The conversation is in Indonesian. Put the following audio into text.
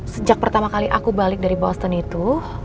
sejak pertama kali aku balik dari boston itu